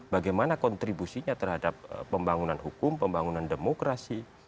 bagaimana kontribusinya terhadap pembangunan hukum pembangunan demokrasi